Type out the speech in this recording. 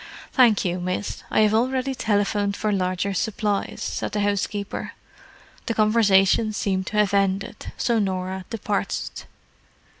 "Thank you, miss, I have already telephoned for larger supplies," said the housekeeper. The conversation seemed to have ended, so Norah departed.